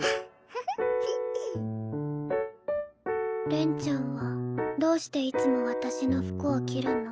れんちゃんはどうしていつも私の服を着るの？